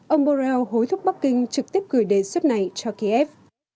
ông borrell hối thúc bắc kinh trực tiếp gửi đề xuất này cho kiev